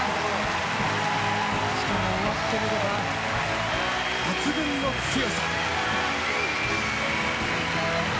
しかも終わってみれば抜群の強さ。